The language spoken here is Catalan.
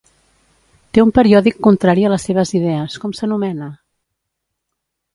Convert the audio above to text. Té un periòdic contrari a les seves idees, com s'anomena?